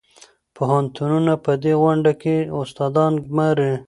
پوهنتونونه په دې غونډه کې استادان ګماري.